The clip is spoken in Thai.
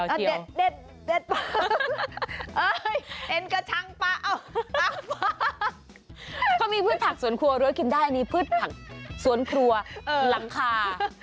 เค้ามีพืชผักสวนครัวรวยกินได้อันนี้พืชผักสวนครัวหลังคา